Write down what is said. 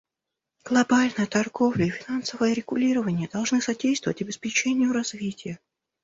Глобальная торговля и финансовое регулирование должны содействовать обеспечению развития.